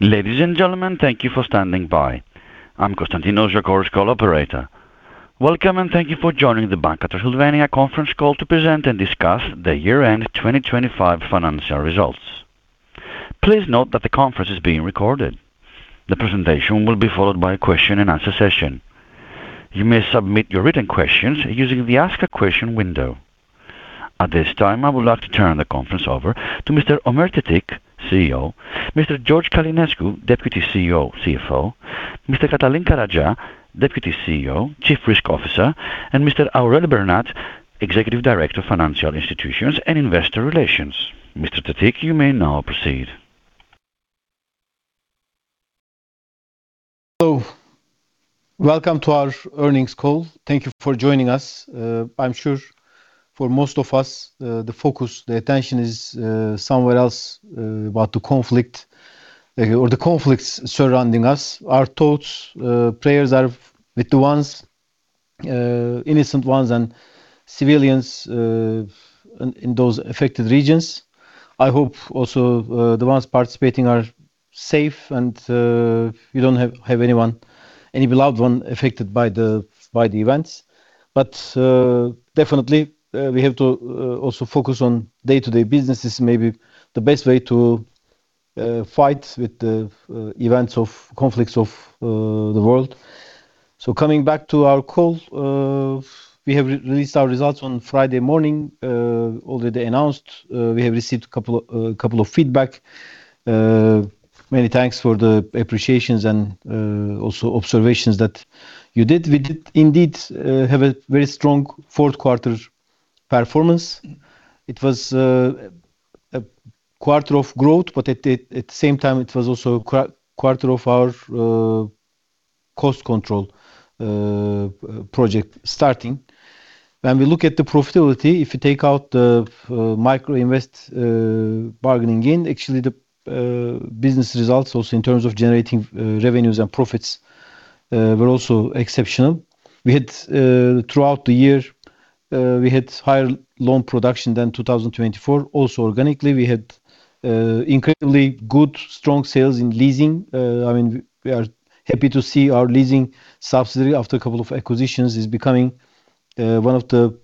Ladies and gentlemen, thank you for standing by. I'm Constantinos, your conference call operator. Welcome, thank you for joining the Banca Transilvania Conference Call to present and discuss the year-end 2025 financial results. Please note that the conference is being recorded. The presentation will be followed by a question and answer session. You may submit your written questions using the Ask a Question window. At this time, I would like to turn the conference over to Mr. Ömer Tetik, CEO, Mr. George Călinescu, Deputy CEO, CFO, Mr. Cătălin Caragea, Deputy CEO, Chief Risk Officer, and Mr. Aurel Bernat, Executive Director, Financial Institutions and Investor Relations. Mr. Tetik, you may now proceed. Hello. Welcome to our earnings call. Thank you for joining us. I'm sure for most of us, the focus, the attention is somewhere else about the conflict or the conflicts surrounding us. Our thoughts, prayers are with the ones, innocent ones and civilians in those affected regions. I hope also, the ones participating are safe and we don't have anyone, any beloved one affected by the events. Definitely, we have to also focus on day-to-day business is maybe the best way to fight with the events of conflicts of the world. Coming back to our call, we have re-released our results on Friday morning, already announced. We have received a couple of feedback. Many thanks for the appreciations and also observations that you did. We did indeed have a very strong fourth quarter performance. It was a quarter of growth, at the same time, it was also a quarter of our cost control project starting. When we look at the profitability, if you take out the Microinvest bargaining gain, actually the business results also in terms of generating revenues and profits were also exceptional. We had throughout the year, we had higher loan production than 2024. Organically, we had incredibly good strong sales in leasing. I mean, we are happy to see our leasing subsidiary after a couple of acquisitions is becoming one of the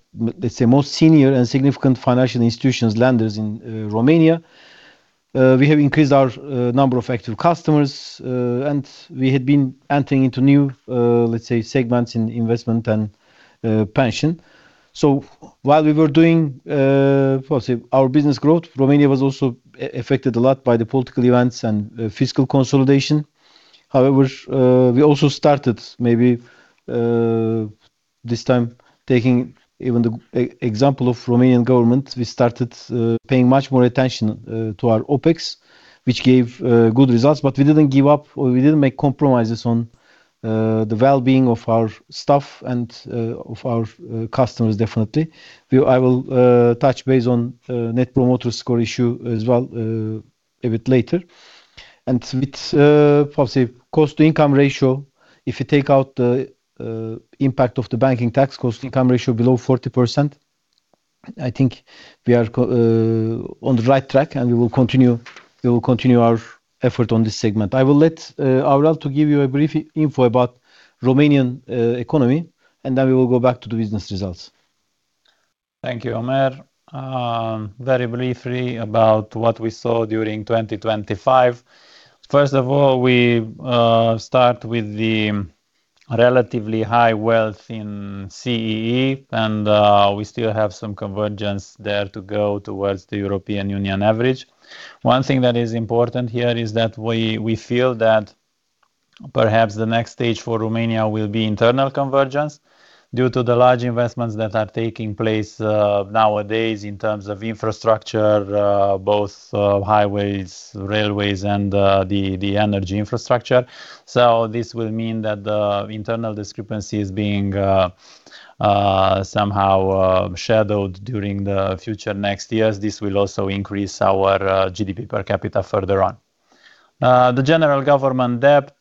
most senior and significant financial institutions lenders in Romania. We have increased our number of active customers. We had been entering into new, let's say segments in investment and pension. While we were doing, let's say our business growth, Romania was also affected a lot by the political events and fiscal consolidation. We also started maybe, this time taking even the example of Romanian government, we started paying much more attention to our OpEx, which gave good results. We didn't give up, or we didn't make compromises on the well-being of our staff and of our customers, definitely. I will touch base on Net Promoter Score issue as well a bit later. With, let's say, cost-to-income ratio, if you take out the impact of the banking tax, cost-to-income ratio below 40%, I think we are on the right track. We will continue our effort on this segment. I will let Aurel to give you a brief info about Romanian economy. We will go back to the business results. Thank you, Ömer. Very briefly about what we saw during 2025. First of all, we start with the relatively high wealth in CEE, we still have some convergence there to go towards the European Union average. One thing that is important here is that we feel that perhaps the next stage for Romania will be internal convergence due to the large investments that are taking place nowadays in terms of infrastructure, both highways, railways, and the energy infrastructure. This will mean that the internal discrepancy is being somehow shadowed during the future next years. This will also increase our GDP per capita further on. The general government debt,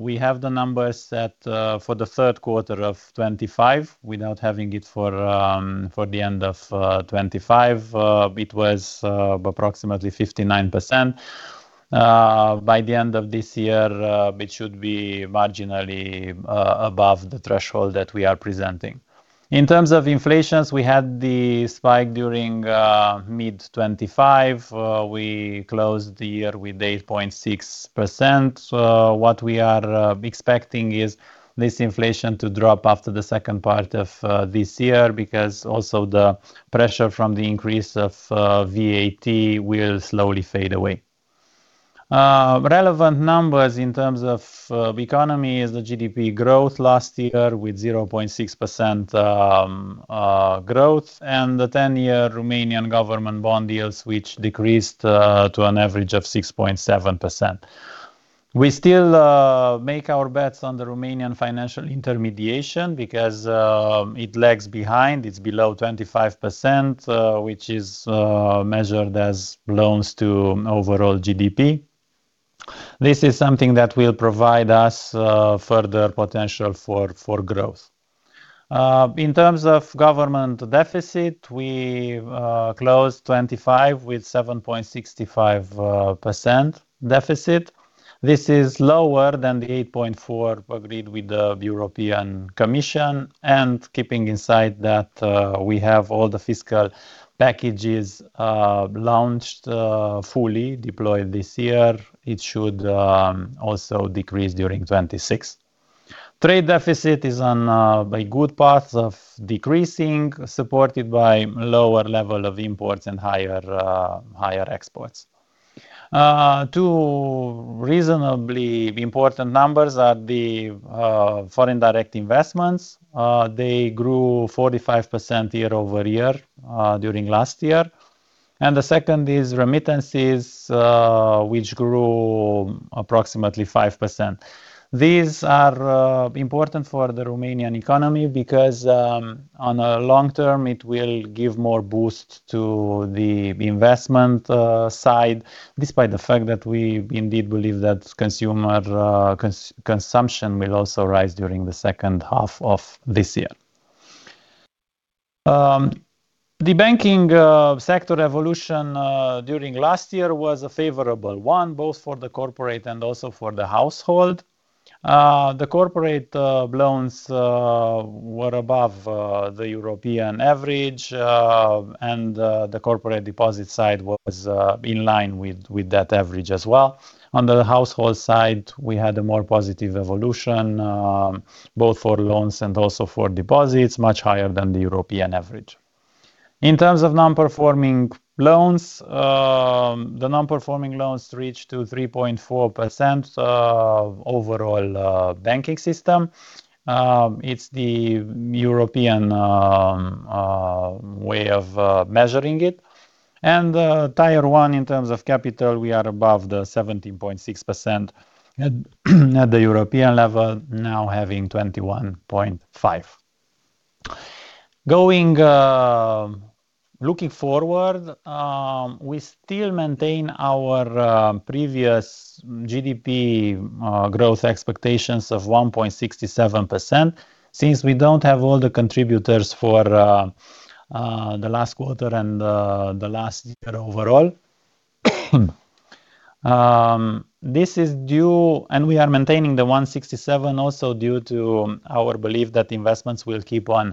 we have the numbers for the third quarter of 2025 without having it for the end of 2025. It was approximately 59%. By the end of this year, it should be marginally above the threshold that we are presenting. In terms of inflations, we had the spike during mid-2025. We closed the year with 8.6%. What we are expecting is this inflation to drop after the second part of this year because also the pressure from the increase of VAT will slowly fade away. Relevant numbers in terms of economy is the GDP growth last year with 0.6% growth and the ten-year Romanian government bond yields, which decreased to an average of 6.7%. We still make our bets on the Romanian financial intermediation because it lags behind. It's below 25%, which is measured as loans to overall GDP. This is something that will provide us further potential for growth. In terms of government deficit, we closed 2025 with 7.65% deficit. This is lower than the 8.4% agreed with the European Commission and keeping in sight that we have all the fiscal packages launched, fully deployed this year. It should also decrease during 2026. Trade deficit is on a good path of decreasing, supported by lower level of imports and higher exports. Two reasonably important numbers are the Foreign Direct Investments. They grew 45% year-over-year during last year. The second is Remittances, which grew approximately 5%. These are important for the Romanian economy because on a long term, it will give more boost to the investment side, despite the fact that we indeed believe that consumer consumption will also rise during the second half of this year. The banking sector evolution during last year was a favorable one, both for the corporate and also for the household. The corporate loans were above the European average, and the corporate deposit side was in line with that average as well. On the household side, we had a more positive evolution, both for loans and also for deposits, much higher than the European average. In terms of non-performing loans, the non-performing loans reached to 3.4% of overall banking system. It's the European way of measuring it. Tier 1 in terms of capital, we are above the 17.6% at the European level, now having 21.5%. Looking forward, we still maintain our previous GDP growth expectations of 1.67% since we don't have all the contributors for the last quarter and the last year overall. This is due and we are maintaining the 1.67 also due to our belief that investments will keep on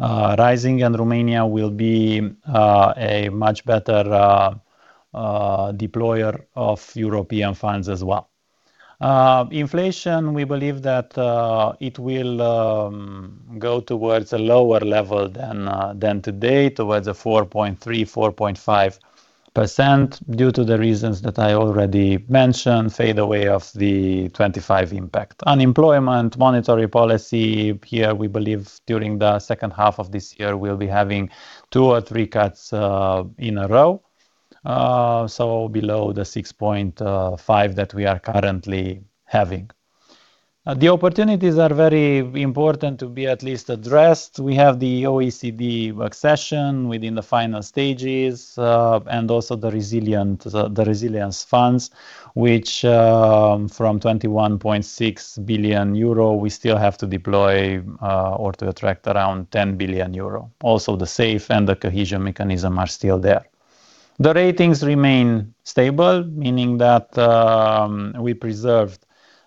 rising and Romania will be a much better deployer of European funds as well. Inflation, we believe that it will go towards a lower level than today, towards a 4.3-4.5% due to the reasons that I already mentioned, fade away of the 2025 impact. Unemployment, monetary policy, here we believe during the second half of this year we'll be having two or three cuts in a row, so below the 6.5 that we are currently having. The opportunities are very important to be at least addressed. We have the OECD accession within the final stages, and also the resilience funds, which from 21.6 billion euro we still have to deploy or to attract around 10 billion euro. Also, the SAFE and the cohesion mechanism are still there. The ratings remain stable, meaning that we preserved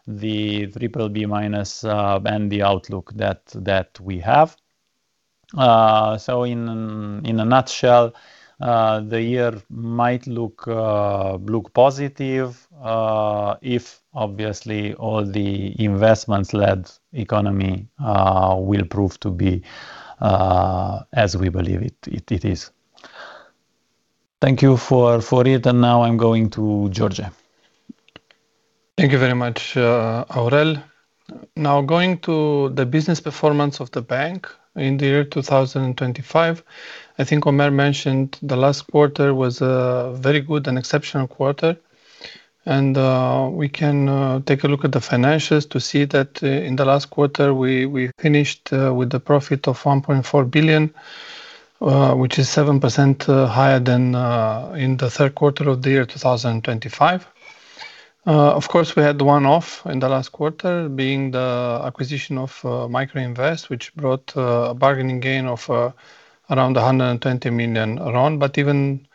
the BBB-, and the outlook that we have. In a nutshell, the year might look positive, if obviously all the investments-led economy will prove to be as we believe it is. Thank you for it, now I'm going to George. Thank you very much, Aurel. Now going to the business performance of the bank in the year 2025. I think Omer mentioned the last quarter was a very good and exceptional quarter. We can take a look at the financials to see that in the last quarter, we finished with the profit of RON 1.4 billion, which is 7% higher than in the third quarter of the year 2025. Of course, we had one-off in the last quarter being the acquisition of Microinvest, which brought a bargaining gain of around RON 120 million. Even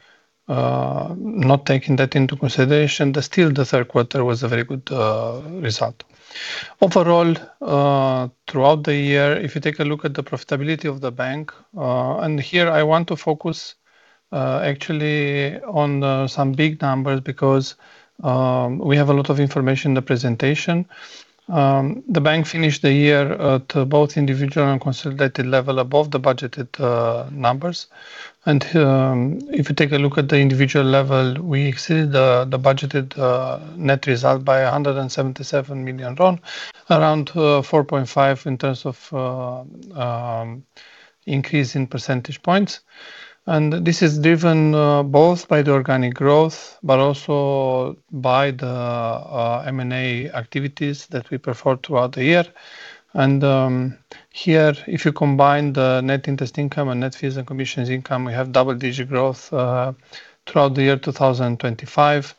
not taking that into consideration, still the third quarter was a very good result. Overall, throughout the year, if you take a look at the profitability of the bank, here I want to focus actually on some big numbers because we have a lot of information in the presentation. The bank finished the year to both individual and consolidated level above the budgeted numbers. If you take a look at the individual level, we exceeded the budgeted net result by RON 177 million, around 4.5x in terms of increase in percentage points. This is driven both by the organic growth but also by the M&A activities that we performed throughout the year. Here, if you combine the net interest income and net fees and commissions income, we have double digit growth throughout the year 2025.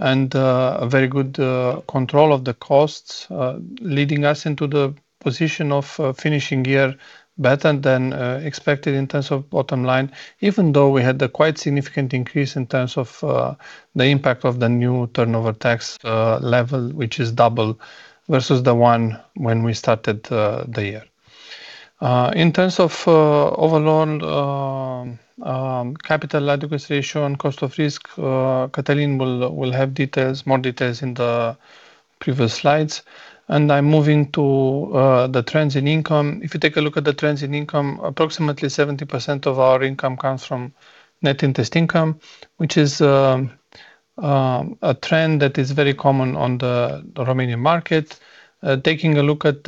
A very good control of the costs leading us into the position of finishing year better than expected in terms of bottom line, even though we had a quite significant increase in terms of the impact of the new turnover tax level, which is double versus the one when we started the year. In terms of overall capital adequacy ratio and cost of risk, Cătălin will have details, more details in the previous slides. I'm moving to the trends in income. If you take a look at the trends in income, approximately 70% of our income comes from net interest income, which is a trend that is very common on the Romanian market. Taking a look at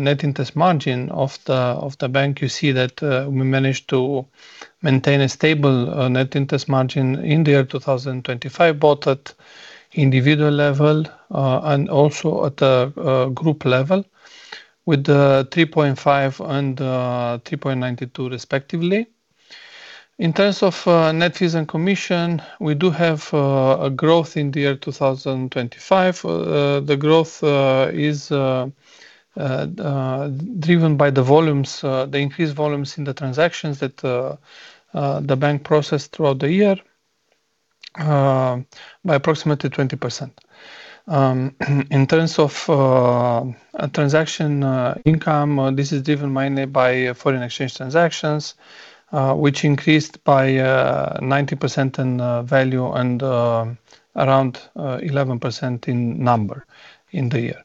net interest margin of the bank, you see that we managed to maintain a stable net interest margin in the year 2025, both at individual level and also at the group level with 3.5 and 3.92 respectively. In terms of net fees and commission, we do have a growth in the year 2025. The growth is driven by the increased volumes in the transactions that the bank processed throughout the year by approximately 20%. In terms of transaction income, this is driven mainly by foreign exchange transactions, which increased by 90% in value and around 11% in number in the year.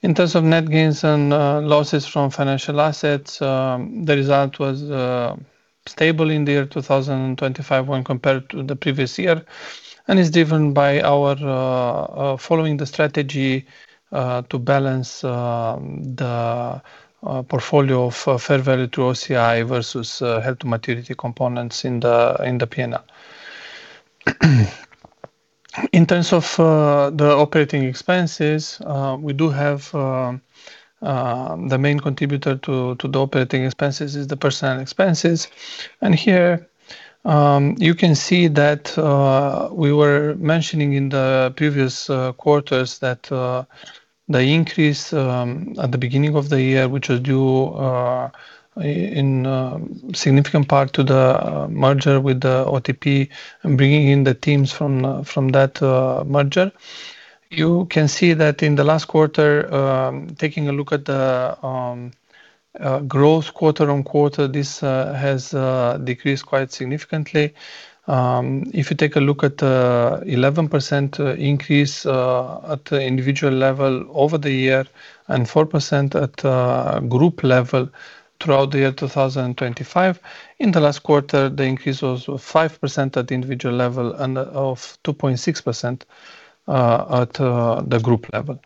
In terms of net gains and losses from financial assets, the result was stable in the year 2025 when compared to the previous year and is driven by our following the strategy to balance the portfolio of fair value to OCI versus held-to-maturity components in the P&L. In terms of the operating expenses, we do have the main contributor to the operating expenses is the personnel expenses. Here, you can see that we were mentioning in the previous quarters that the increase at the beginning of the year, which was due in significant part to the merger with the OTP and bringing in the teams from that merger. You can see that in the last quarter, taking a look at the growth quarter-on-quarter, this has decreased quite significantly. If you take a look at 11% increase at the individual level over the year and 4% at group level throughout the year 2025. In the last quarter, the increase was 5% at the individual level and of 2.6% at the group level.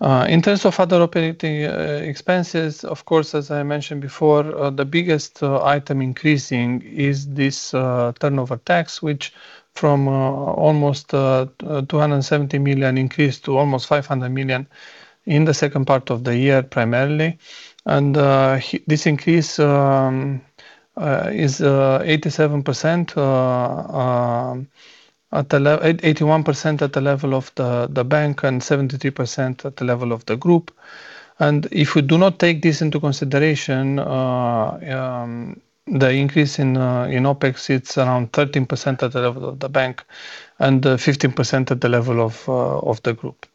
In terms of other operating expenses, of course, as I mentioned before, the biggest item increasing is this turnover tax, which from almost RON 270 million increased to almost RON 500 million in the second part of the year, primarily. This increase is 81% at the level of the bank and 73% at the level of the group. If we do not take this into consideration, the increase in OpEx, it's around 13% at the level of the bank and 15% at the level of the group.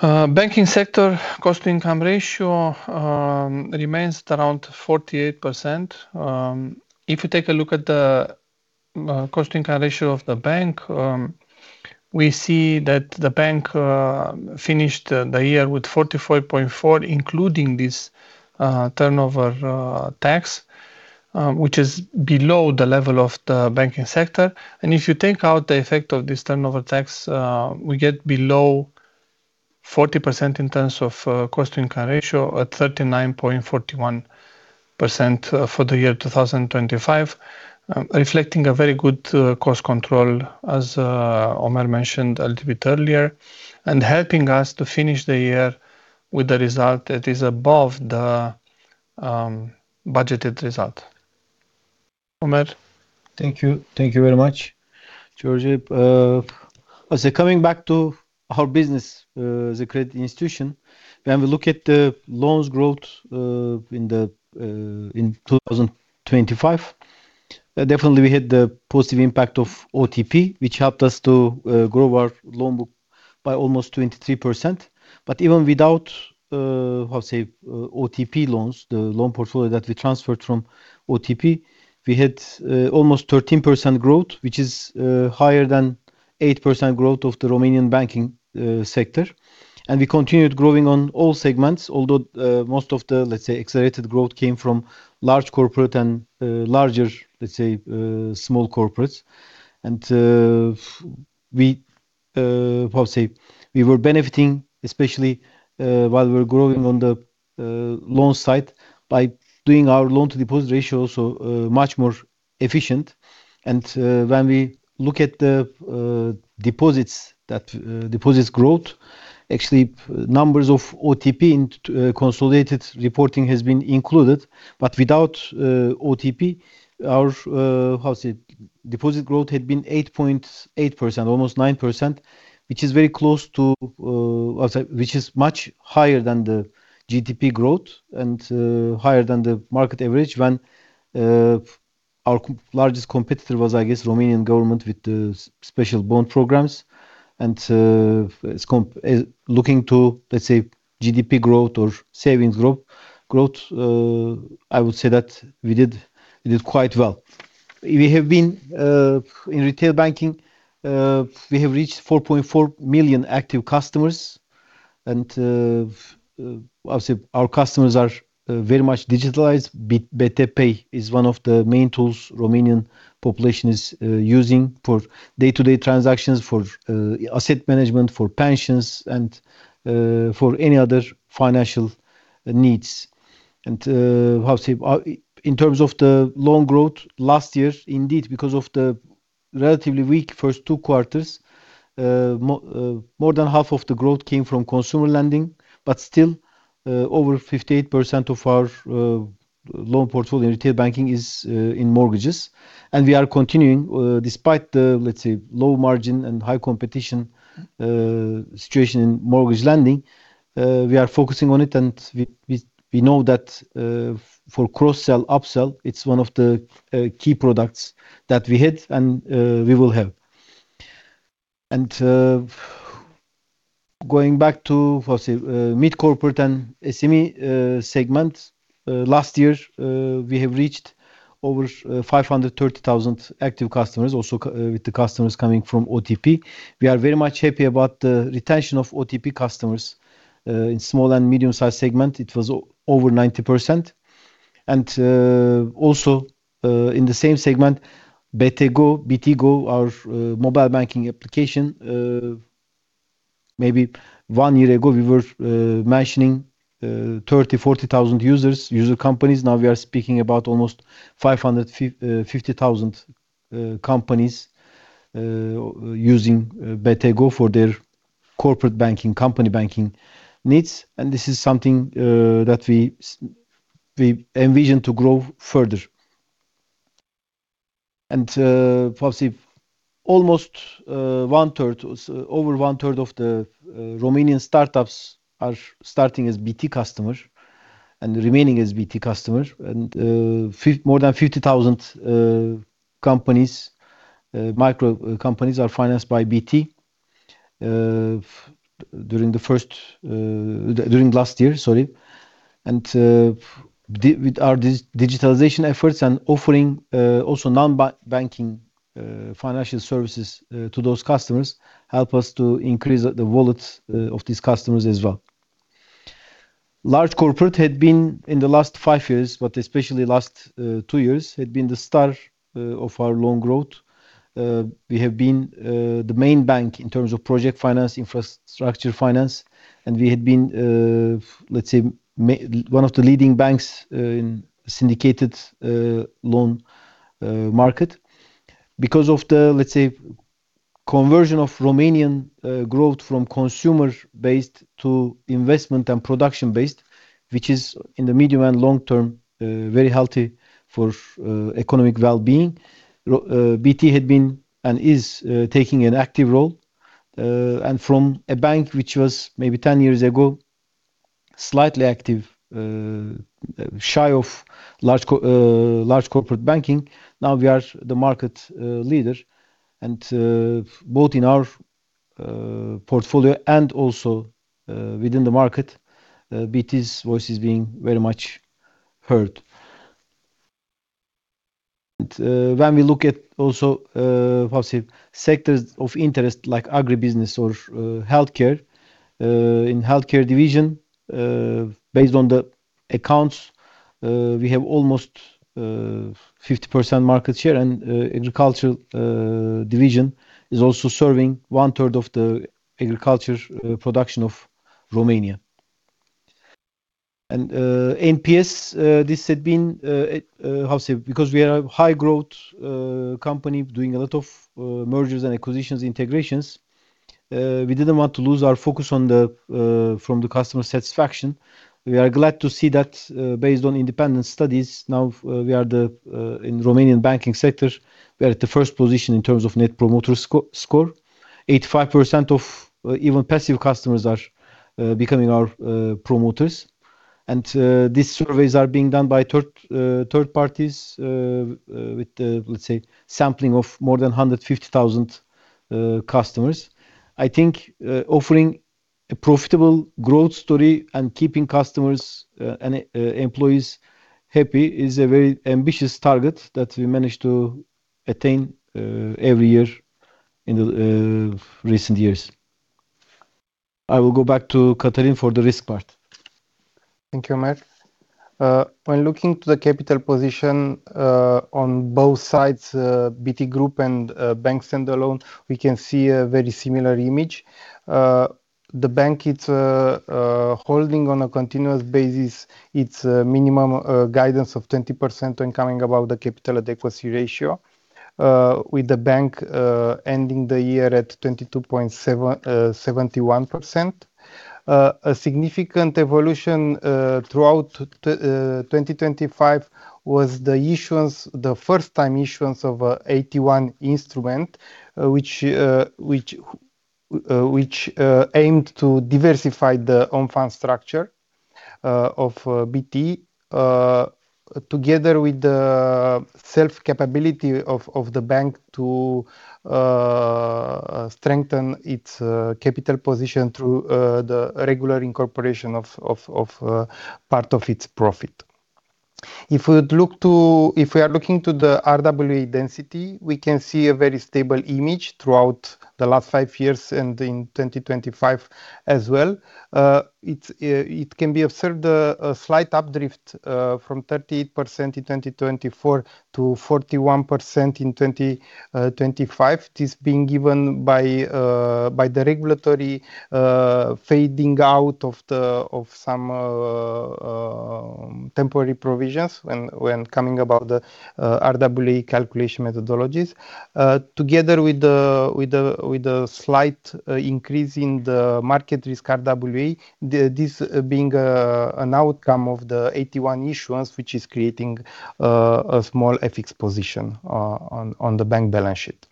Banking sector cost-to-income ratio remains at around 48%. If you take a look at the cost-to-income ratio of the bank, we see that the bank finished the year with 44.4, including this turnover tax, which is below the level of the banking sector. If you take out the effect of this turnover tax, we get below 40% in terms of cost-to-income ratio at 39.41% for the year 2025, reflecting a very good cost control as Omer mentioned a little bit earlier, and helping us to finish the year with a result that is above the budgeted result. Ömer? Thank you. Thank you very much, George. Coming back to our business, as a credit institution, when we look at the loans growth in 2025, definitely we had the positive impact of OTP, which helped us to grow our loan book by almost 23%. Even without OTP loans, the loan portfolio that we transferred from OTP, we had almost 13% growth, which is higher than 8% growth of the Romanian banking sector. We continued growing on all segments although most of the accelerated growth came from large corporate and larger small corporates. We were benefiting especially while we were growing on the loans side by doing our loan-to-deposit ratio much more efficient. When we look at the deposits growth, actually numbers of OTP in consolidated reporting has been included. Without OTP, our deposit growth had been 8.8%, almost 9%, which is very close to, which is much higher than the GDP growth and higher than the market average when our largest competitor was, I guess, Romanian government with the special bond programs. It's looking to, let's say, GDP growth or savings growth, I would say that we did quite well. We have been in retail banking, we have reached 4.4 million active customers and I would say our customers are very much digitalized. BT Pay is one of the main tools Romanian population is using for day-to-day transactions, for asset management, for pensions and for any other financial needs. How to say? In terms of the loan growth last year, indeed, because of the relatively weak first two quarters, more than half of the growth came from consumer lending, but still, over 58% of our loan portfolio in retail banking is in mortgages. We are continuing, despite the, let's say, low margin and high competition, situation in mortgage lending, we are focusing on it and we know that, for cross-sell, upsell, it's one of the key products that we hit and we will have. Going back to, how to say, mid-corporate and SME segment, last year, we have reached over 530,000 active customers, also with the customers coming from OTP. We are very much happy about the retention of OTP customers, in small and medium-sized segment. It was over 90%. Also, in the same segment, BT Go, our mobile banking application, maybe one year ago, we were mentioning 30,000-40,000 users, user companies. Now we are speaking about almost 550,000 companies using BT Go for their corporate banking, company banking needs, this is something that we envision to grow further. Almost over 1/3 of the Romanian startups are starting as BT customer and remaining as BT customer, more than 50,000 companies, micro companies are financed by BT during last year. With our digitalization efforts and offering also non-banking financial services to those customers help us to increase the wallets of these customers as well. Large corporate had been in the last five years, but especially last two years, had been the star of our loan growth. We have been the main bank in terms of project finance, infrastructure finance, and we had been, let's say, one of the leading banks in syndicated loan market. Because of the, let's say, conversion of Romanian growth from consumer-based to investment and production-based, which is in the medium and long term, very healthy for economic well-being, BT had been and is taking an active role. From a bank which was maybe 10 years ago, slightly active, shy of large corporate banking, now we are the market leader and both in our portfolio and also within the market, BT's voice is being very much heard. When we look at also, how to say? Sectors of interest like Agribusiness or Healthcare, in Healthcare division, based on the accounts, we have almost 50% market share. Agricultural division is also serving 1/3 of the agriculture production of Romania. NPS, this had been, how to say? Because we are a high-growth company doing a lot of mergers and acquisitions integrations, we didn't want to lose our focus from the customer satisfaction. We are glad to see that, based on independent studies, now, we are the in Romanian banking sector, we are at the first position in terms of Net Promoter Score. 85% of even passive customers are becoming our promoters. These surveys are being done by third parties with, let's say, sampling of more than 150,000 customers. I think offering a profitable growth story and keeping customers and e-employees happy is a very ambitious target that we managed to attain every year in the recent years. I will go back to Cătălin for the risk part. Thank you, Ömer. When looking to the capital position, on both sides, BT Group and bank standalone, we can see a very similar image. The bank, it's holding on a continuous basis its minimum guidance of 20% when coming above the capital adequacy ratio, with the bank ending the year at 22.71%. A significant evolution throughout 2025 was the issuance, the first time issuance of AT1 instrument, which aimed to diversify the on fund structure of BT, together with the self capability of the bank to strengthen its capital position through the regular incorporation of part of its profit. If we are looking to the RWA density, we can see a very stable image throughout the last 5 years and in 2025 as well. It's, it can be observed a slight up drift from 38% in 2024 to 41% in 2025. It is being given by the regulatory fading out of some temporary provisions when coming about the RWA calculation methodologies. Together with the slight increase in the market risk RWA, this being an outcome of the AT1 issuance, which is creating a small FX position on the bank balance sheet.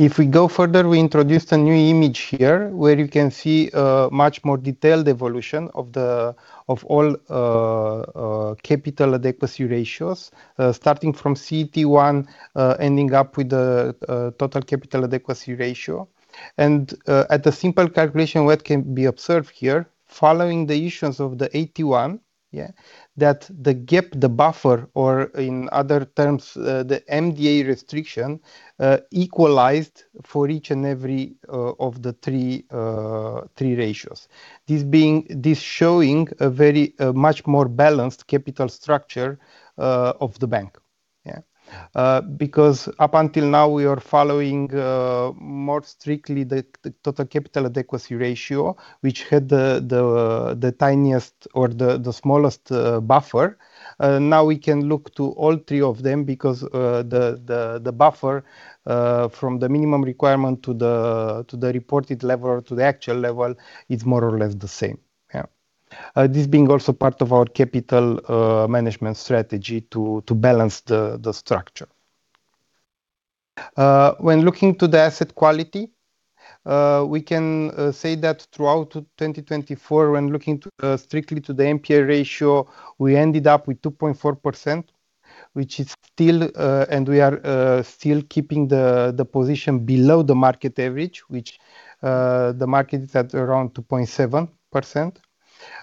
If we go further, we introduced a new image here where you can see a much more detailed evolution of the, of all, capital adequacy ratios, starting from CET1, ending up with the total capital adequacy ratio. At the simple calculation, what can be observed here following the issuance of the AT1, that the gap, the buffer, or in other terms, the MDA restriction, equalized for each and every of the three ratios. This showing a very much more balanced capital structure of the bank. Because up until now, we are following more strictly the total capital adequacy ratio, which had the tiniest or the smallest buffer. Now we can look to all three of them because the, the buffer from the minimum requirement to the, to the reported level, to the actual level is more or less the same. Yeah. This being also part of our capital management strategy to balance the structure. When looking to the asset quality, we can say that throughout 2024 when looking to strictly to the NPA ratio, we ended up with 2.4%, which is still, and we are still keeping the position below the market average, which the market is at around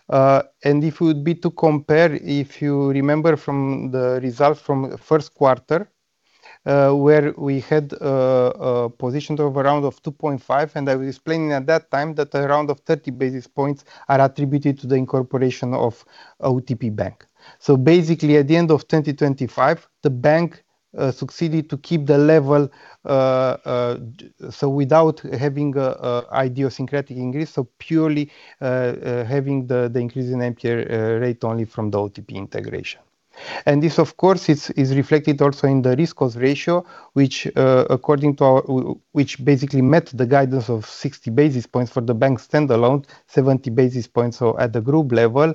2.7%. If it would be to compare, if you remember from the result from first quarter, where we had positioned of around of 2.5%, I was explaining at that time that around 30 basis points are attributed to the incorporation of OTP Bank. Basically at the end of 2025, the bank succeeded to keep the level, so without having a idiosyncratic increase, purely having the increase in NPA rate only from the OTP integration. This of course is reflected also in the risk cost ratio, which basically met the guidance of 60 basis points for the bank standalone, 70 basis points or at the group level,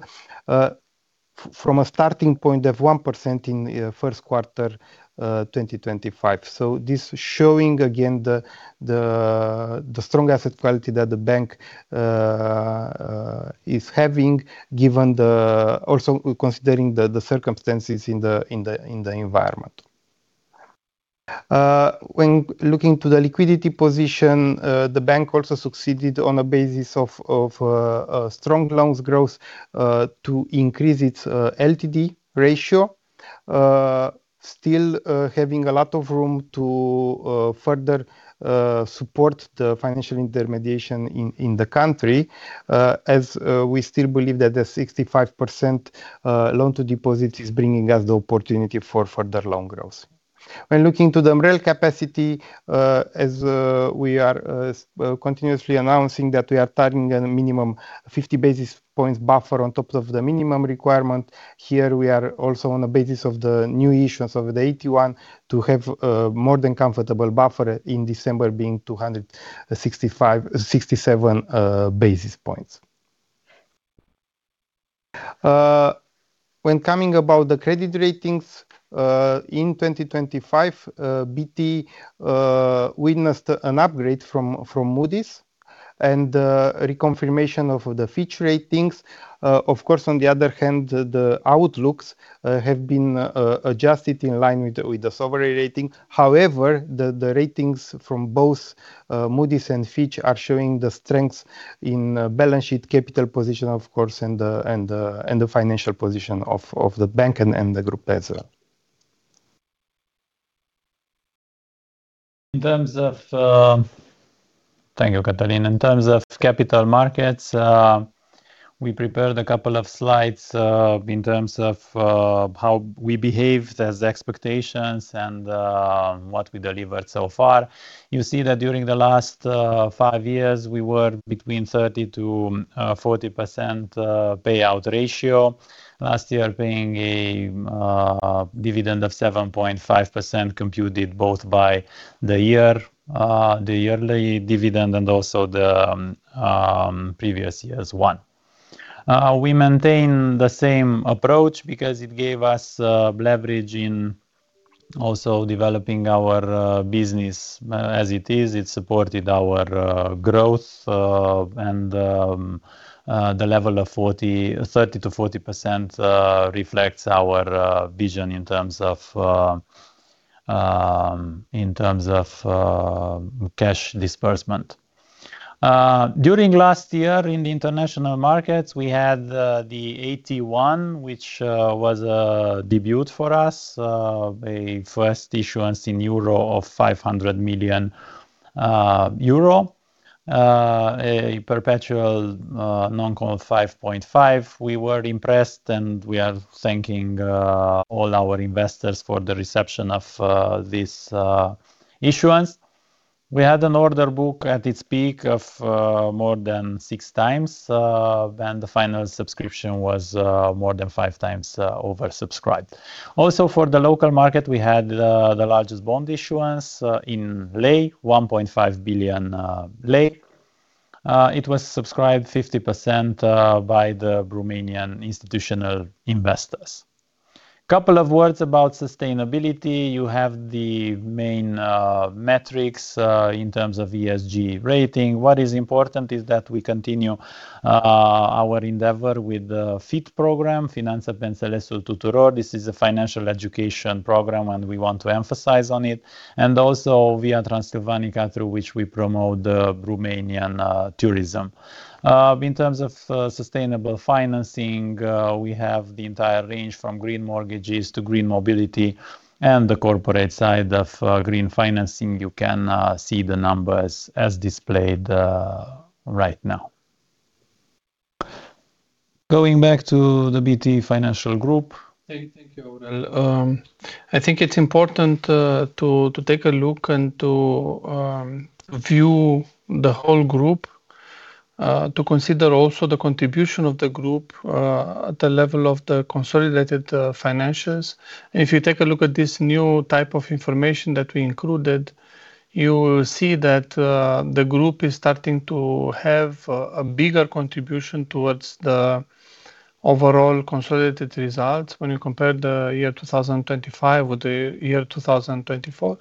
from a starting point of 1% in first quarter 2025. This showing again the strong asset quality that the bank is having given the also considering the circumstances in the environment. When looking to the liquidity position, the bank also succeeded on a basis of strong loans growth to increase its LTD ratio, still having a lot of room to further support the financial intermediation in the country, as we still believe that the 65% loan to deposit is bringing us the opportunity for further loan growth. When looking to the MREL capacity, as we are continuously announcing that we are targeting a minimum 50 basis points buffer on top of the minimum requirement. Here we are also on the basis of the new issuance of the AT1 to have more than comfortable buffer in December being 265.67 basis points. When coming about the credit ratings, in 2025, BT witnessed an upgrade from Moody's and reconfirmation of the Fitch ratings. Of course, on the other hand, the outlooks have been adjusted in line with the sovereign rating. However, the ratings from both Moody's and Fitch are showing the strengths in balance sheet capital position of course and the financial position of the bank and the group as well. Thank you, Cătălin. In terms of capital markets, we prepared a couple of slides in terms of how we behaved as expectations and what we delivered so far. You see that during the last five years, we were between 30% to 40% payout ratio. Last year paying a dividend of 7.5% computed both by the year, the yearly dividend and also the previous year's one. We maintain the same approach because it gave us leverage in also developing our business as it is, it supported our growth, and the level of 30% to 40% reflects our vision in terms of cash disbursement. During last year in the international markets, we had the AT1 which was debut for us, a first issuance in 500 million euro. A perpetual non-call of 5.5. We were impressed, we are thanking all our investors for the reception of this issuance. We had an order book at its peak of more than 6x, the final subscription was more than 5x oversubscribed. Also for the local market, we had the largest bond issuance in RON 1.5 billion. It was subscribed 50% by the Romanian institutional investors. Couple of words about sustainability. You have the main metrics in terms of ESG rating. What is important is that we continue, our endeavor with the FIT program, Finanțează-ți viitorul. This is a financial education program, and we want to emphasize on it, and also Via Transilvanica through which we promote the Romanian tourism. In terms of sustainable financing, we have the entire range from green mortgages to green mobility and the corporate side of green financing. You can see the numbers as displayed right now. Going back to the BT Financial Group. Thank you, Aurel. I think it's important to take a look and to view the whole group to consider also the contribution of the group at the level of the consolidated financials. If you take a look at this new type of information that we included, you will see that the group is starting to have a bigger contribution towards the overall consolidated results when you compare the year 2025 with the year 2024.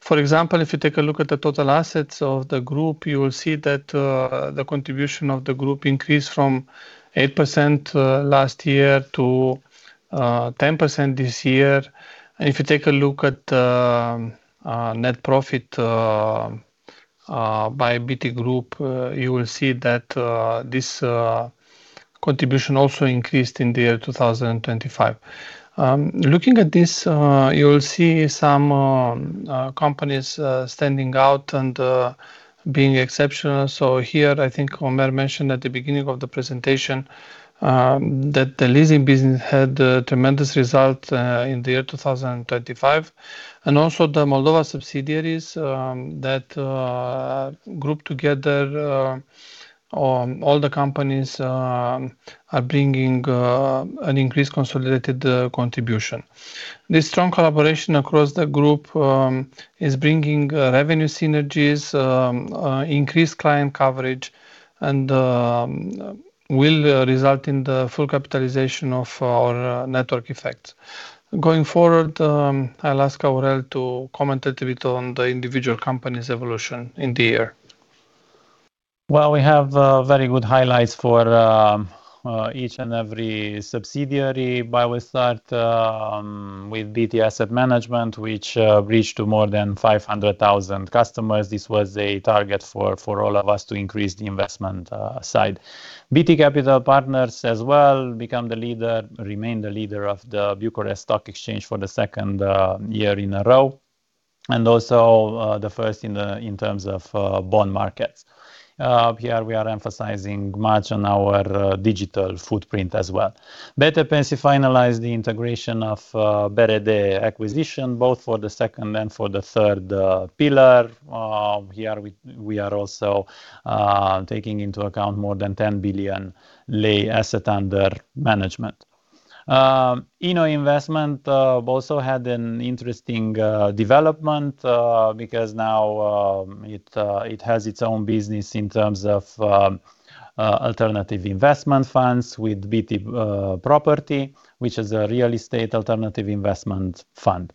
For example, if you take a look at the total assets of the group, you will see that the contribution of the group increased from 8% last year to 10% this year. If you take a look at net profit by BT Group, you will see that this contribution also increased in the year 2025. Looking at this, you'll see some companies standing out and being exceptional. Here, I think Ömer mentioned at the beginning of the presentation that the leasing business had a tremendous result in the year 2025, and also the Moldova subsidiaries that group together all the companies are bringing an increased consolidated contribution. This strong collaboration across the group is bringing revenue synergies, increased client coverage and will result in the full capitalization of our network effects. Going forward, I'll ask Aurel to comment a bit on the individual company's evolution in the year. Well, we have very good highlights for each and every subsidiary. We start with BT Asset Management, which reached to more than 500,000 customers. This was a target for all of us to increase the investment side. BT Capital Partners as well remain the leader of the Bucharest Stock Exchange for the second year in a row, and also the first in terms of bond markets. Here we are emphasizing much on our digital footprint as well. BT Pensii finalized the integration of BRD Pensii acquisition, both for the second and for the third pillar. Here we are also taking into account more than RON 10 billion asset under management. Inno Investments also had an interesting development because now it has its own business in terms of alternative investment funds with BT Property, which is a real estate alternative investment fund.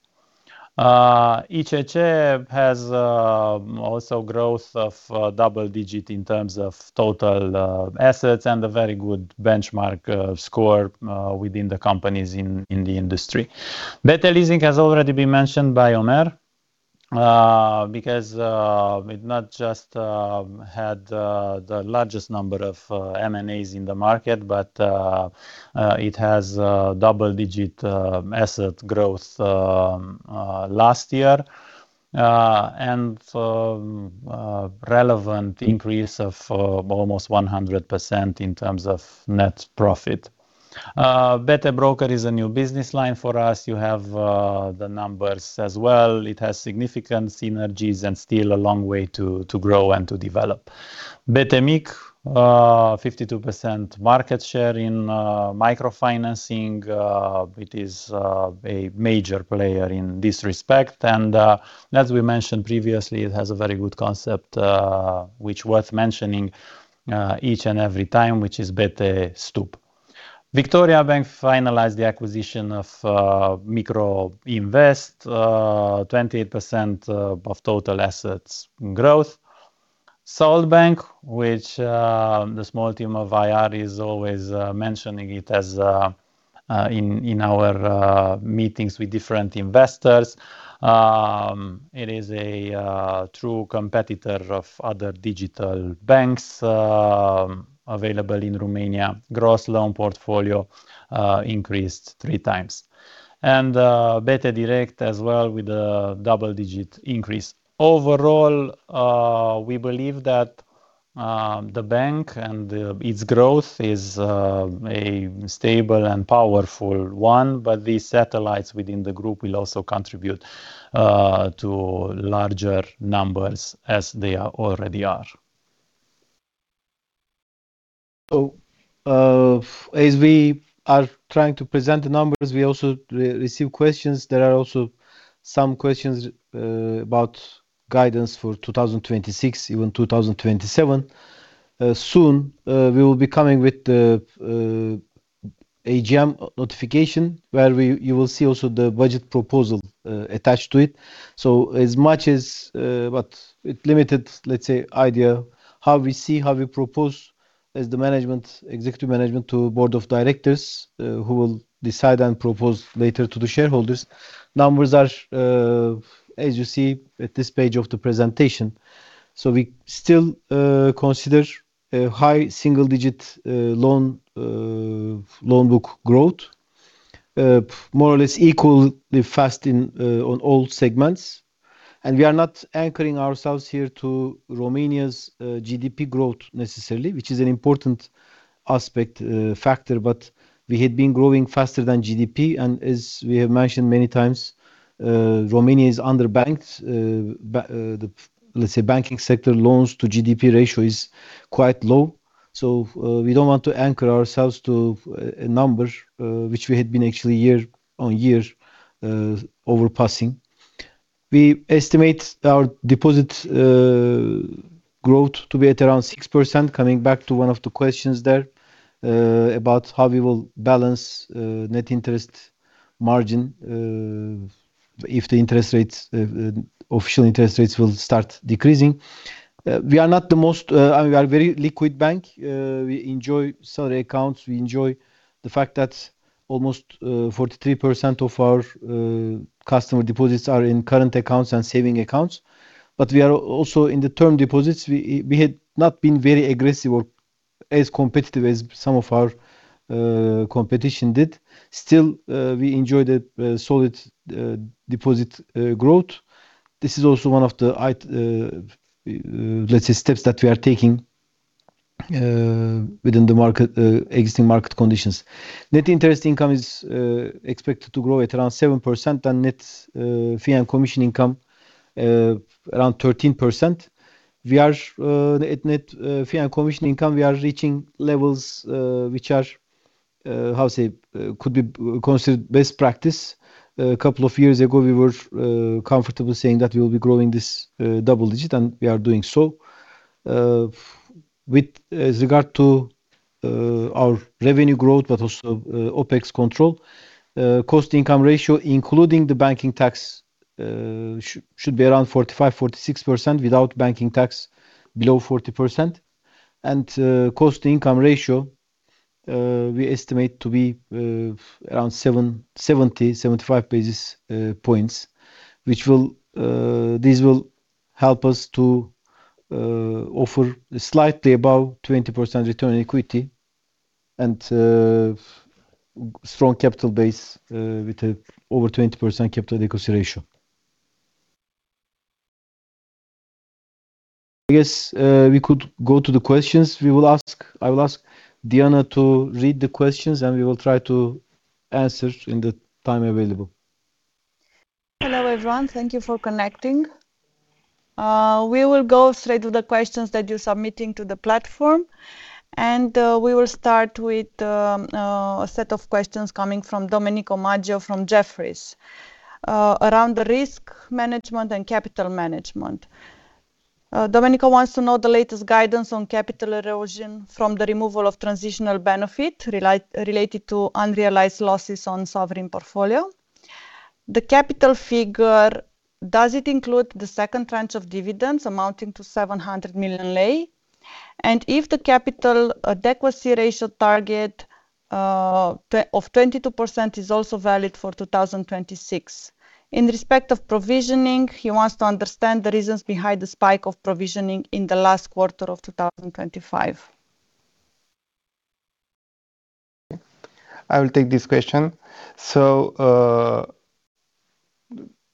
ECC has also growth of double-digit in terms of total assets and a very good benchmark score within the companies in the industry. BT Leasing has already been mentioned by Omer because it not just had the largest number of M&As in the market, but it has double-digit asset growth last year and relevant increase of almost 100% in terms of net profit. BT Broker is a new business line for us. You have the numbers as well. It has significant synergies and still a long way to grow and to develop. BT Mic, 52% market share in microfinancing. It is a major player in this respect. As we mentioned previously, it has a very good concept which worth mentioning each and every time, which is BT Stup. Victoriabank finalized the acquisition of Microinvest, 28% of total assets growth. Salt Bank, which the small team of IR is always mentioning it as in our meetings with different investors. It is a true competitor of other digital banks available in Romania. Gross loan portfolio increased 3x. BT Direct as well with a double-digit increase. Overall, we believe that the bank and its growth is a stable and powerful one, but these satellites within the group will also contribute to larger numbers as they are already are. As we are trying to present the numbers, we also re-receive questions. There are also some questions about guidance for 2026, even 2027. Soon, we will be coming with the AGM notification where you will see also the budget proposal attached to it. As much as what it limited, let's say, idea, how we see, how we propose as the management, executive management to board of directors, who will decide and propose later to the shareholders. Numbers are as you see at this page of the presentation. We still consider a high single digit loan book growth, more or less equally fast in on all segments. We are not anchoring ourselves here to Romania's GDP growth necessarily, which is an important aspect, factor. We had been growing faster than GDP, and as we have mentioned many times, Romania is under-banked. The, let's say, banking sector loans to GDP ratio is quite low. We don't want to anchor ourselves to a number, which we had been actually year on year overpassing. We estimate our deposit growth to be at around 6%, coming back to one of the questions there, about how we will balance net interest margin, if the interest rates, official interest rates will start decreasing. We are not the most, I mean, we are a very liquid bank. We enjoy salary accounts, we enjoy the fact that almost 43% of our customer deposits are in current accounts and savings accounts. We are also in the term deposits, we had not been very aggressive or as competitive as some of our competition did. Still, we enjoyed a solid deposit growth. This is also one of the let's say, steps that we are taking within the market existing market conditions. Net interest income is expected to grow at around 7% and net fee and commission income around 13%. We are at net fee and commission income, we are reaching levels which are how say, could be considered best practice. A couple of years ago, we were comfortable saying that we will be growing this double digit, and we are doing so. With regard to our revenue growth, but also OpEx control, cost-to-income ratio, including the banking tax, should be around 45%-46% without banking tax below 40%. Cost-to-income ratio, we estimate to be around 70-75 basis points, which will, this will help us to offer slightly above 20% return on equity and strong capital base, with a over 20% capital negotiation. I guess, we could go to the questions. I will ask Diana to read the questions, and we will try to answer in the time available. Hello, everyone. Thank you for connecting. We will go straight to the questions that you're submitting to the platform, and we will start with a set of questions coming from Domenico Maggio from Jefferies, around risk management and capital management. Domenico wants to know the latest guidance on capital erosion from the removal of transitional benefit related to unrealized losses on sovereign portfolio. The capital figure, does it include the second tranche of dividends amounting to RON 700 million? If the capital adequacy ratio target of 22% is also valid for 2026. In respect of provisioning, he wants to understand the reasons behind the spike of provisioning in the last quarter of 2025. I will take this question.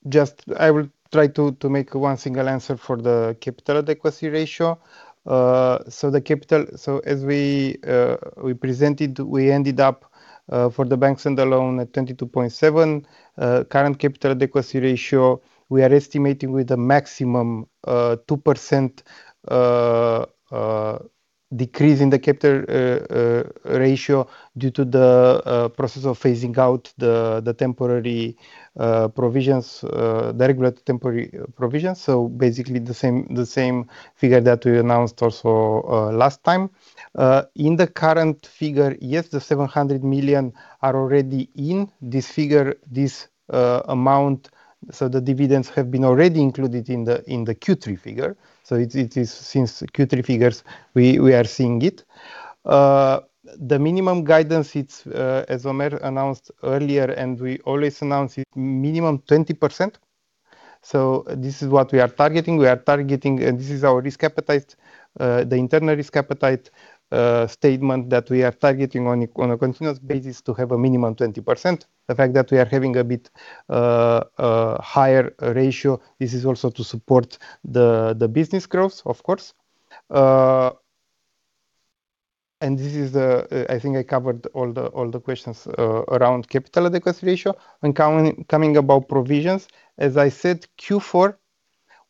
I will just try to make one single answer for the capital adequacy ratio. As we presented, we ended up for the banks and the loan at 22.7. Current capital adequacy ratio, we are estimating with a maximum 2%. Decrease in the capital ratio due to the process of phasing out the temporary provisions, the regulatory temporary provisions. Basically the same figure that we announced also last time. In the current figure, yes, the RON 700 million are already in this figure, this amount, so the dividends have been already included in the Q3 figure. It is since Q3 figures, we are seeing it. The minimum guidance it's as Ömer announced earlier, and we always announce it minimum 20%. This is what we are targeting. We are targeting, and this is our risk appetite, the internal risk appetite statement that we are targeting on a continuous basis to have a minimum 20%. The fact that we are having a bit higher ratio, this is also to support the business growth, of course. This is I think I covered all the questions around capital adequacy ratio. Coming about provisions, as I said, Q4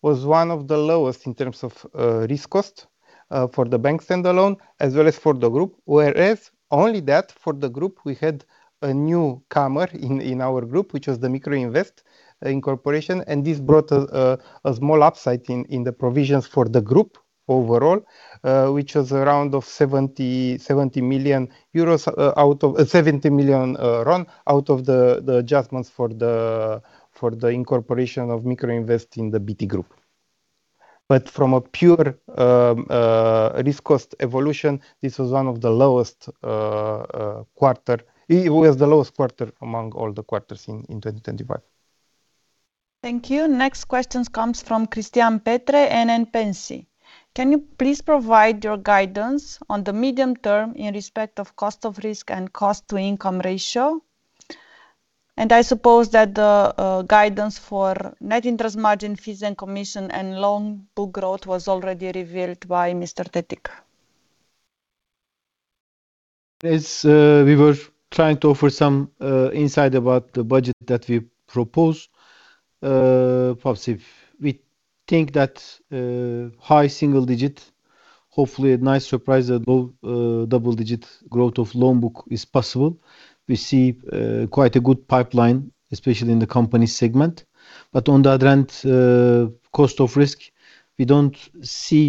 was one of the lowest in terms of risk cost for the banks and the loan, as well as for the Group. Only that for the Group, we had a newcomer in our Group, which was the Microinvest Incorporation, this brought a small upside in the provisions for the Group overall, which was around 70 million RON out of the adjustments for the incorporation of Microinvest in the BT Group. From a pure, risk cost evolution, this was one of the lowest, quarter. It was the lowest quarter among all the quarters in 2025. Thank you. Next questions comes from Christian Petre and then Pensii. Can you please provide your guidance on the medium term in respect of cost of risk and cost-to-income ratio? I suppose that the guidance for net interest margin, fees and commission and loan book growth was already revealed by Mr. Tetik. As we were trying to offer some insight about the budget that we propose, perhaps if we think that high single digit, hopefully a nice surprise above double-digit growth of loan book is possible. We see quite a good pipeline, especially in the company segment. On the other hand, cost of risk, we don't see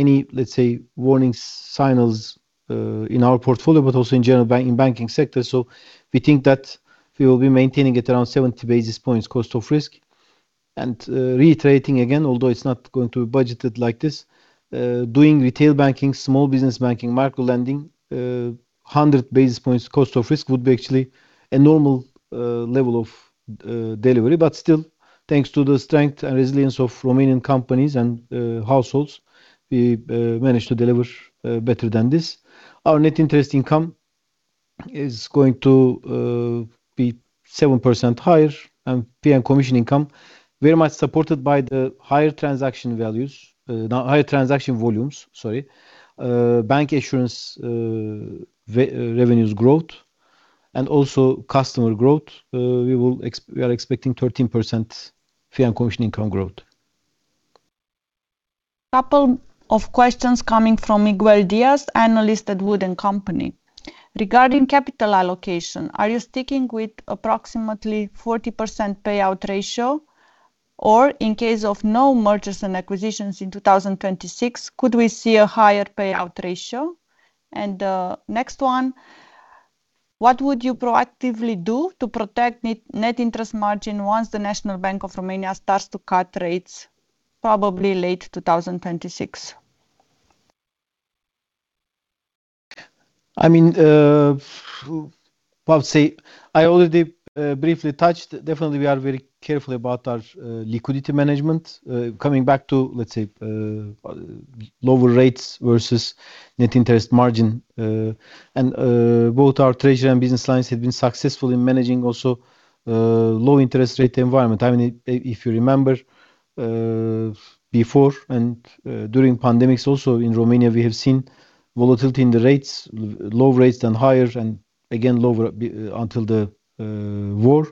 any, let's say, warning signals in our portfolio, but also in general banking sector. We think that we will be maintaining it around 70 basis points cost of risk. Reiterating again, although it's not going to be budgeted like this, doing retail banking, small business banking, micro-lending, 100 basis points cost of risk would be actually a normal level of delivery. Still, thanks to the strength and resilience of Romanian companies and households, we managed to deliver better than this. Our net interest income is going to be 7% higher, and fee and commission income very much supported by the higher transaction values, now higher transaction volumes, sorry, Bancassurance revenues growth, and also customer growth. We are expecting 13% fee and commission income growth. Couple of questions coming from Miguel Dias, analyst at WOOD & Company. Regarding capital allocation, are you sticking with approximately 40% Payout Ratio? In case of no Mergers and Acquisitions in 2026, could we see a higher Payout Ratio? Next one, what would you proactively do to protect net interest margin once the National Bank of Romania starts to cut rates probably late 2026? I mean, well, say I already briefly touched. Definitely, we are very careful about our liquidity management. Coming back to, let's say, lower rates versus net interest margin, and both our treasury and business lines have been successful in managing also low interest rate environment. I mean, if you remember, before and during pandemics also in Romania, we have seen volatility in the rates, low rates then higher and again lower until the war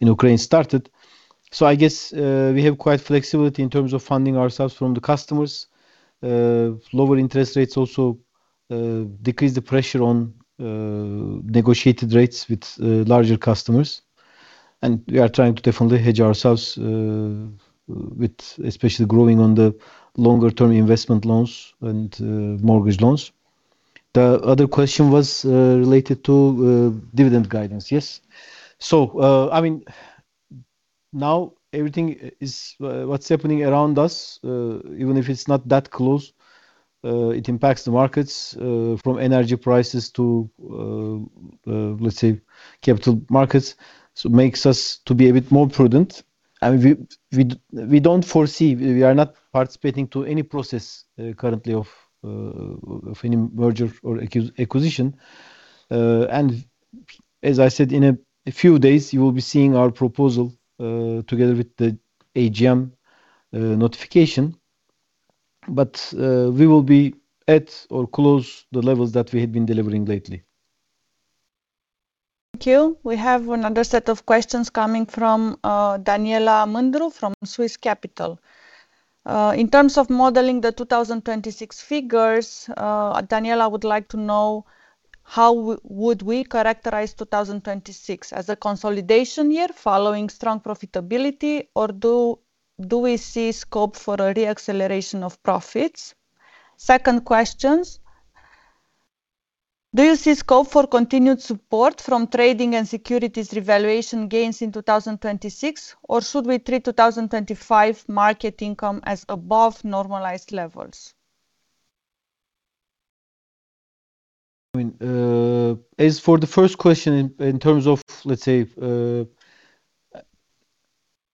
in Ukraine started. I guess, we have quite flexibility in terms of funding ourselves from the customers. Lower interest rates also decrease the pressure on negotiated rates with larger customers. We are trying to definitely hedge ourselves with especially growing on the longer-term investment loans and mortgage loans. The other question was related to dividend guidance. Yes. I mean, now everything is what's happening around us, even if it's not that close, it impacts the markets, from energy prices to, let's say, capital markets. It makes us to be a bit more prudent. I mean, we don't foresee, we are not participating to any process currently of any merger or acquisition. As I said, in a few days, you will be seeing our proposal together with the AGM notification. We will be at or close the levels that we had been delivering lately. Thank you. We have another set of questions coming from Daniela Mândru from Swiss Capital. In terms of modeling the 2026 figures, Daniela would like to know how would we characterize 2026? As a consolidation year following strong profitability, or do we see scope for a re-acceleration of profits? Second questions, do you see scope for continued support from trading and securities revaluation gains in 2026, or should we treat 2025 market income as above normalized levels? I mean, as for the first question in terms of, let's say,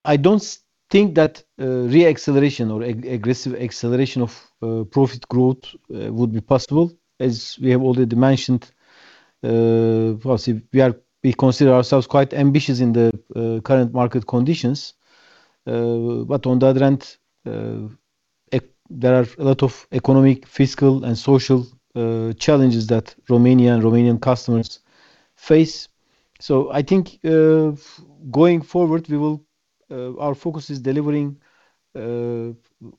I don't think that re-acceleration or aggressive acceleration of profit growth would be possible. As we have already mentioned, well, see, we consider ourselves quite ambitious in the current market conditions. On the other hand, there are a lot of economic, fiscal, and social challenges that Romania and Romanian customers face. I think, going forward, we will, our focus is delivering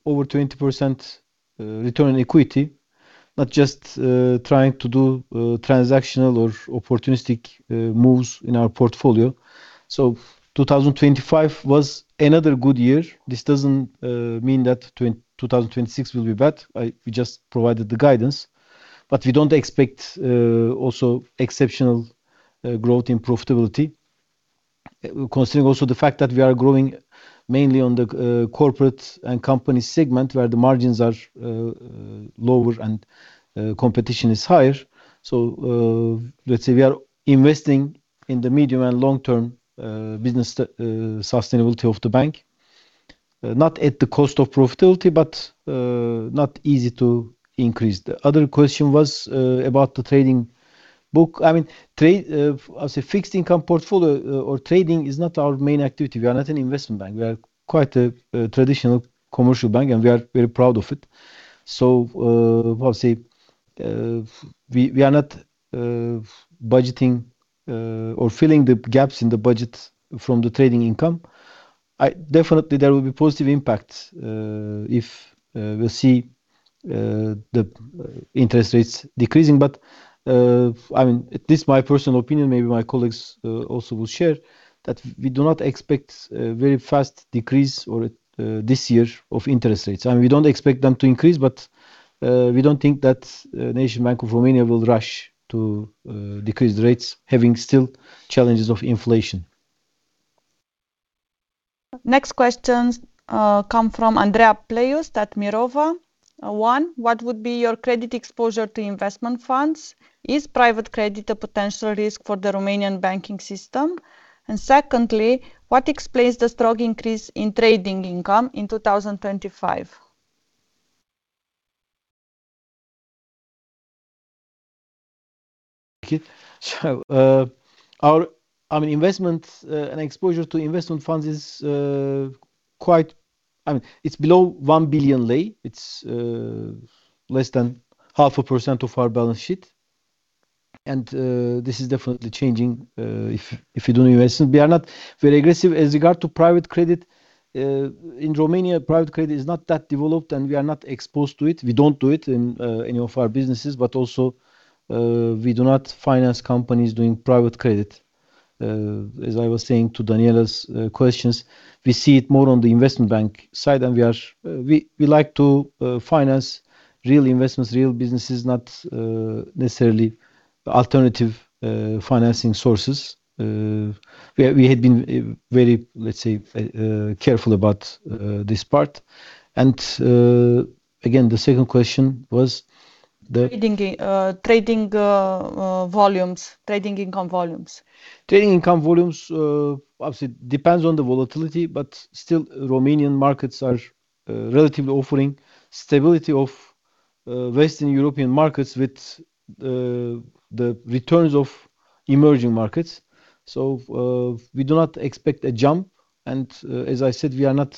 over 20% Return on Equity, not just trying to do transactional or opportunistic moves in our portfolio. 2025 was another good year. This doesn't mean that 2026 will be bad. We just provided the guidance. We don't expect also exceptional growth in profitability, considering also the fact that we are growing mainly on the corporate and company segment where the margins are lower and competition is higher. Let's say we are investing in the medium and long-term business sustainability of the bank, not at the cost of profitability, but not easy to increase. The other question was about the trading book. I mean, trade as a fixed income portfolio or trading is not our main activity. We are not an investment bank. We are quite a traditional commercial bank, and we are very proud of it. Well, say, we are not budgeting or filling the gaps in the budget from the trading income. Definitely, there will be positive impacts, if we'll see the interest rates decreasing. I mean, this my personal opinion, maybe my colleagues also will share, that we do not expect a very fast decrease or this year of interest rates. I mean, we don't expect them to increase, but we don't think that National Bank of Romania will rush to decrease rates, having still challenges of inflation. Next questions come from Andreea Playoust at Mirova. One, what would be your credit exposure to investment funds? Is private credit a potential risk for the Romanian banking system? Secondly, what explains the strong increase in trading income in 2025? Our investment and exposure to investment funds is below RON 1 billion. It's less than 0.5% of our balance sheet. This is definitely changing if you do an investment. We are not very aggressive as regard to private credit. In Romania, private credit is not that developed, and we are not exposed to it. We don't do it in any of our businesses, but also, we do not finance companies doing private credit. As I was saying to Daniela's questions, we see it more on the investment bank side, and we like to finance real investments, real businesses, not necessarily alternative financing sources. We had been very, let's say, careful about this part. Again, the second question was. Trading, volumes, trading income volumes. Trading income volumes, obviously depends on the volatility, but still Romanian markets are relatively offering stability of Western European markets with the returns of emerging markets. We do not expect a jump, and as I said, we are not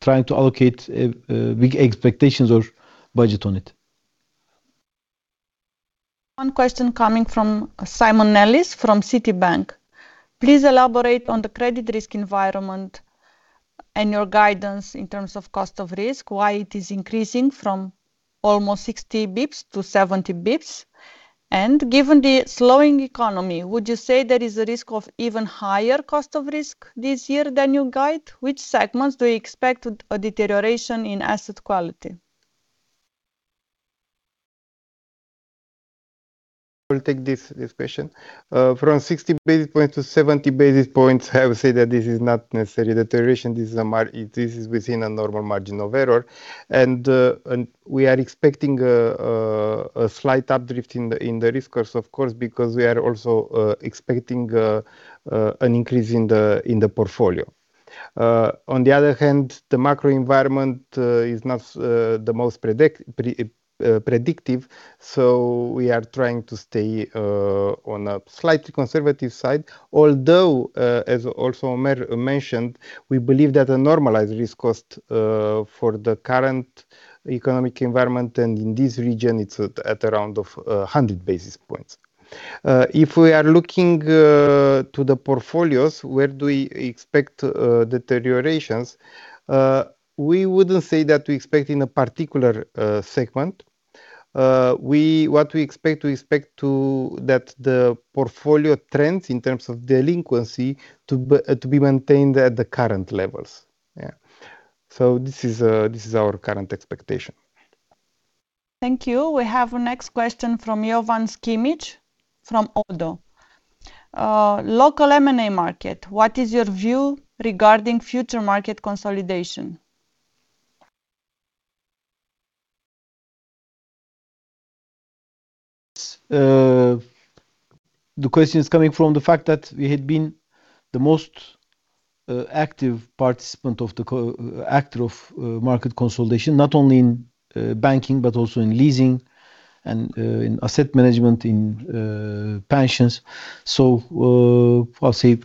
trying to allocate big expectations or budget on it. One question coming from Simon Nellis from Citibank. Please elaborate on the credit risk environment and your guidance in terms of cost of risk, why it is increasing from almost 60 basis points to 70 basis points. Given the slowing economy, would you say there is a risk of even higher cost of risk this year than you guide? Which segments do you expect a deterioration in asset quality? I will take this question. From 60 basis points to 70 basis points, I would say that this is not necessarily deterioration. This is within a normal margin of error. We are expecting a slight up drift in the risk course, of course, because we are also expecting an increase in the portfolio. On the other hand, the macro environment is not the most predictive, so we are trying to stay on a slightly conservative side. Although, as also Ömer mentioned, we believe that a normalized risk cost for the current economic environment and in this region, it's at around of 100 basis points. If we are looking to the portfolios, where do we expect deteriorations? We wouldn't say that we expect in a particular segment We expect to that the portfolio trends in terms of delinquency to be maintained at the current levels. This is our current expectation. Thank you. We have a next question from Jovan Sikimić from ODDO. Local M&A market, what is your view regarding future market consolidation? The question is coming from the fact that we had been the most active participant of the co-actor of market consolidation, not only in banking but also in leasing and in asset management, in pensions. I'll say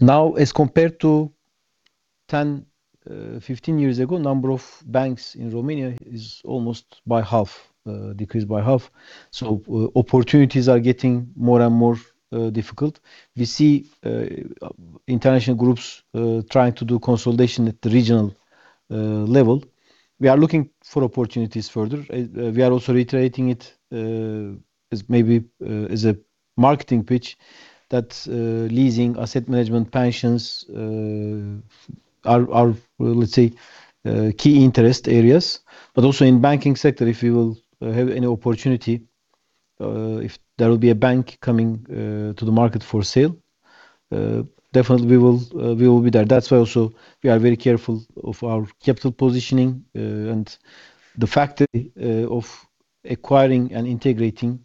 now as compared to 10, 15 years ago, number of banks in Romania is almost by half decreased by half. Opportunities are getting more and more difficult. We see international groups trying to do consolidation at the regional level. We are looking for opportunities further. We are also reiterating it as maybe as a marketing pitch that leasing, asset management, pensions are let's say key interest areas. Also in banking sector, if we will have any opportunity, if there will be a bank coming to the market for sale, definitely we will, we will be there. That's why also we are very careful of our capital positioning, and the factor of acquiring and integrating,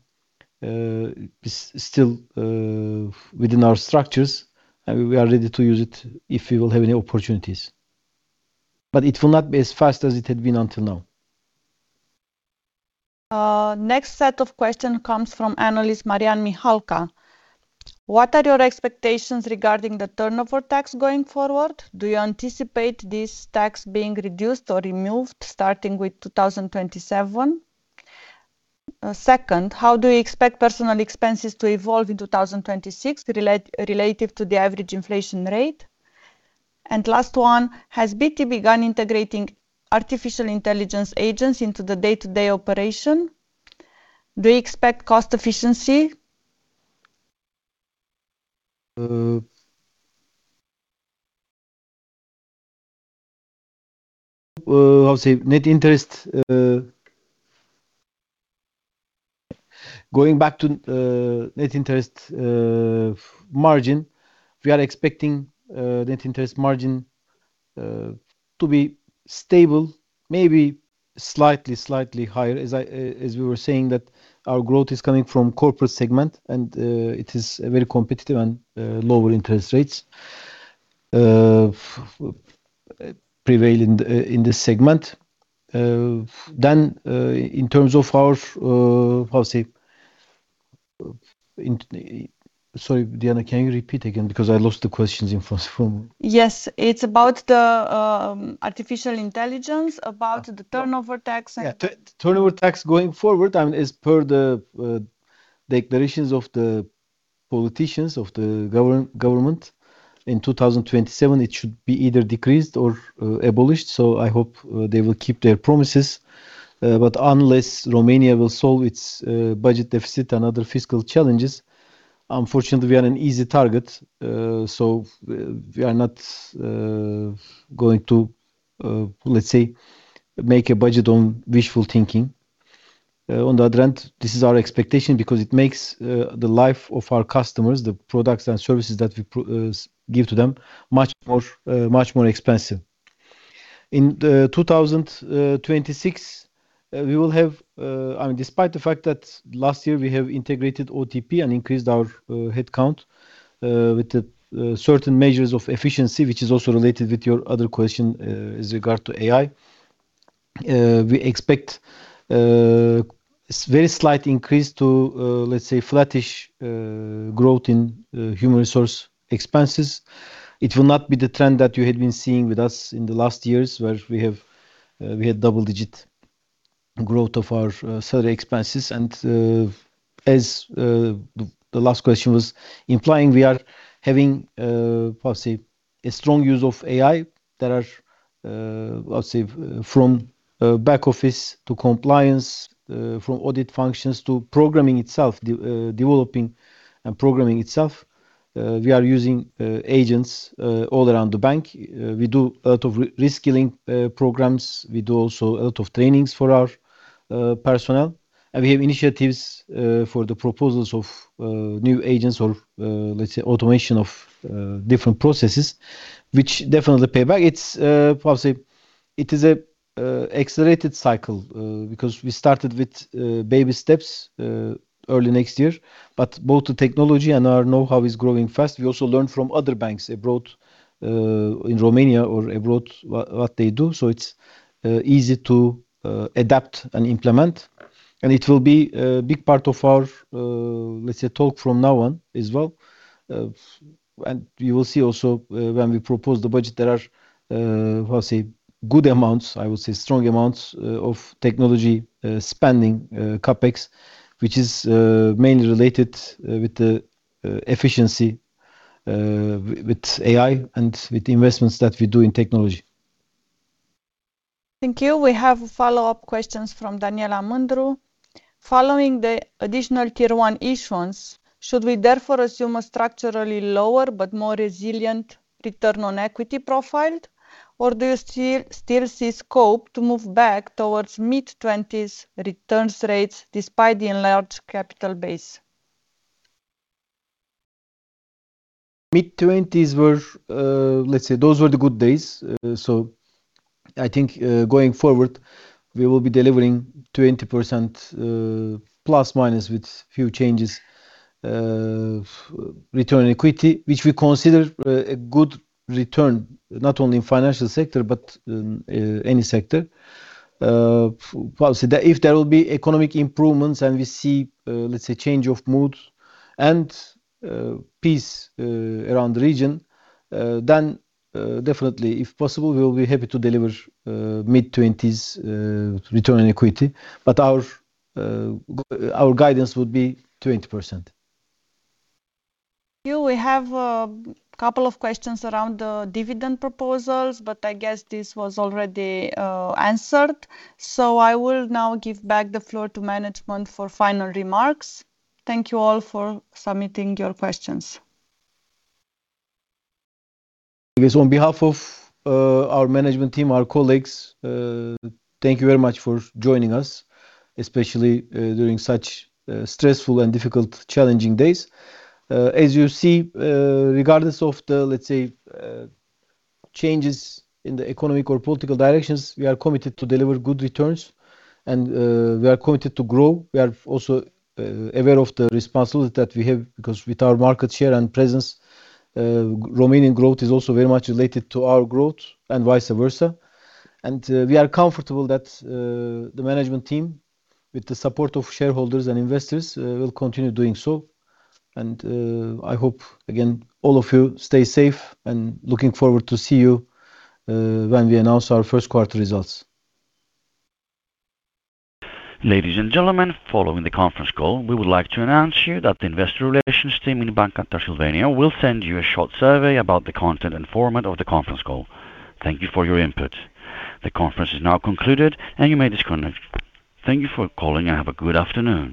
is still within our structures, and we are ready to use it if we will have any opportunities. It will not be as fast as it had been until now. Next set of question comes from analyst Marian Mihalcea. What are your expectations regarding the turnover tax going forward? Do you anticipate this tax being reduced or removed starting with 2027? Second, how do you expect personal expenses to evolve in 2026 relative to the average inflation rate? Last one, has BT begun integrating artificial intelligence agents into the day-to-day operation? Do you expect cost efficiency? Uh, uh, I would say net interest, uh, going back to, uh, net interest, uh, margin, we are expecting, uh, net interest margin, uh, to be stable, maybe slightly, slightly higher as I, as we were saying that our growth is coming from corporate segment, and, uh, it is very competitive and, uh, lower interest rates, uh, prevail in, uh, in this segment. Uh, then, uh, in terms of our, uh, how say, in... Sorry, Diana, can you repeat again? Because I lost the questions in first one. Yes. It's about the Artificial Intelligence, about the turnover tax. Turnover tax going forward, I mean, as per the declarations of the government, in 2027, it should be either decreased or abolished. I hope they will keep their promises. Unless Romania will solve its budget deficit and other fiscal challenges, unfortunately, we are an easy target, we are not going to, let's say, make a budget on wishful thinking. On the other hand, this is our expectation because it makes the life of our customers, the products and services that we give to them much more, much more expensive. In 2026, I mean, despite the fact that last year we have integrated OTP and increased our headcount, with certain measures of efficiency, which is also related with your other question, with regard to AI. We expect very slight increase to, let's say, flattish growth in human resource expenses. It will not be the trend that you had been seeing with us in the last years, where we had double-digit growth of our salary expenses. As the last question was implying, we are having, how say, a strong use of AI that are, how say, from back office to compliance, from audit functions to programming itself, developing and programming itself. We are using agents all around the bank. We do a lot of re-skilling programs. We do also a lot of trainings for our personnel. We have initiatives for the proposals of new agents or, let's say, automation of different processes, which definitely pay back. It's how say, it is a accelerated cycle because we started with baby steps early next year. Both the technology and our know-how is growing fast. We also learn from other banks abroad, in Romania or abroad, what they do, so it's easy to adapt and implement. It will be a big part of our, let's say, talk from now on as well. You will see also, when we propose the budget, there are, how say, good amounts, I would say strong amounts, of technology, spending, CapEx, which is mainly related, with the efficiency, with AI and with the investments that we do in technology. Thank you. We have follow-up questions from Daniela Mândru. Following the additional Tier 1 issuance, should we therefore assume a structurally lower but more resilient Return on Equity profile? Do you still see scope to move back towards mid-20s returns rates despite the enlarged capital base? Mid-20s were, let's say those were the good days. I think, going forward, we will be delivering 20% plus minus with few changes of return on equity, which we consider a good return, not only in financial sector but any sector. Well, say if there will be economic improvements and we see, let's say change of mood and peace around the region, then, definitely, if possible, we will be happy to deliver mid-20s return on equity. Our guidance would be 20%. You will have a couple of questions around the dividend proposals, but I guess this was already answered. I will now give back the floor to management for final remarks. Thank you all for submitting your questions. Yes. On behalf of our management team, our colleagues, thank you very much for joining us, especially during such stressful and difficult, challenging days. As you see, regardless of the, let's say, changes in the economic or political directions, we are committed to deliver good returns and we are committed to grow. We are also aware of the responsibility that we have, because with our market share and presence, Romanian growth is also very much related to our growth and vice versa. We are comfortable that the management team, with the support of shareholders and investors, will continue doing so. I hope, again, all of you stay safe and looking forward to see you when we announce our first quarter results. Ladies and gentlemen, following the conference call, we would like to announce you that the investor relations team in Banca Transilvania will send you a short survey about the content and format of the conference call. Thank you for your input. The conference is now concluded and you may disconnect. Thank you for calling and have a good afternoon.